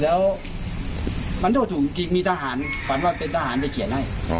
แล้วมันโทษถูกจริงมีทหารฝันว่าเป็นทหารไปเขียนให้